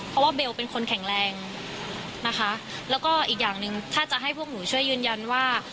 เพราะว่าเบลเป็นคนแข็งแรงนะคะแล้วก็อีกอย่างหนึ่งถ้าจะให้พวกหนูช่วยยืนยันว่า